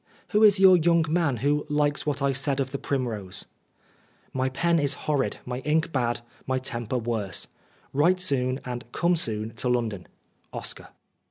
" Who is your young man who likes what I said of the primrose ?" My pen is horrid, my ink bad, my temper worse. Write soon, and come soon to London. " OSCAR."